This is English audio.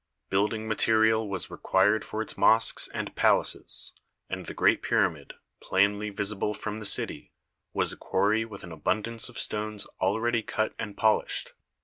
Building material was required for its mosques and palaces, and the great pyramid, plainly visible from the city, was a quarry with an abundance of stones already cut and polished.